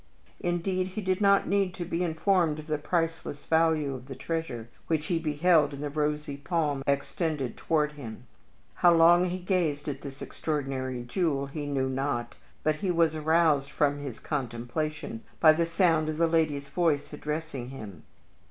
Indeed, he did not need to be informed of the priceless value of the treasure, which he beheld in the rosy palm extended toward him. How long he gazed at this extraordinary jewel he knew not, but he was aroused from his contemplation by the sound of the lady's voice addressing him.